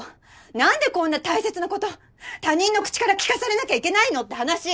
なんでこんな大切なこと他人の口から聞かされなきゃいけないのって話！